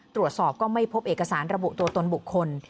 ตรวจสอบก็ไม่พบเอกสารระบุตัวตนบุคคล